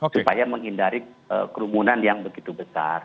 supaya menghindari kerumunan yang begitu besar